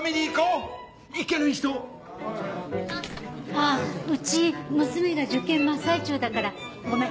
・あぁうち娘が受験真っ最中だからごめん。